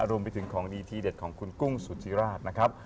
รวมไปถึงของดีทีเด็ดของคุณกุ้งสุธิราชนะครับ